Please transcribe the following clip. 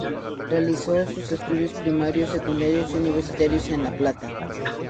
Realizó sus estudios primarios, secundarios y universitarios en La Plata.